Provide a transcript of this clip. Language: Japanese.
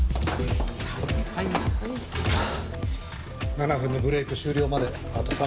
７分のブレーク終了まであと３分２０秒。